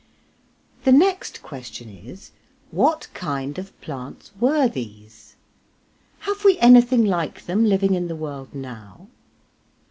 The next question is, what kind of plants were these? Have we anything like them living in the world now?